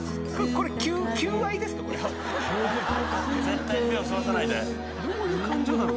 これ絶対に目をそらさないでどういう感情なの？